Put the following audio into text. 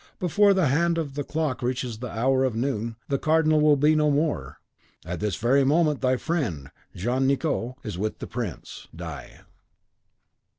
Before the hand of the clock reaches the hour of noon, the Cardinal will be no more. At this very moment thy friend, Jean Nicot, is with the Prince di